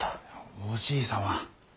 おじい様。